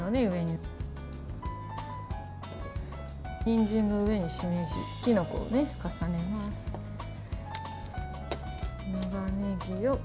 にんじんの上にしめじきのこを重ねます。